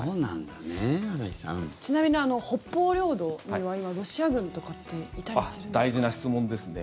ちなみに北方領土に今、ロシア軍とかっていたりするんですか？